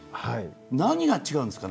何が違うんですか